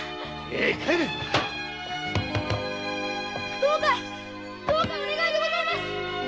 どうかお願いでございます。